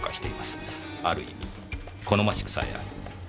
ある意味好ましくさえある。